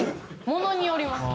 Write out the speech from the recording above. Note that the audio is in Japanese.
ものによります。